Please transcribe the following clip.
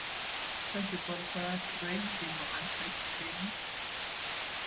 It has a bulbous red, yellow and white bill.